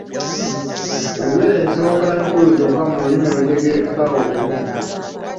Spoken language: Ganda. Yogera ensonga enkulu zokka mu lulimi olutegeerekeka obulungi.